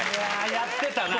やってたなぁ。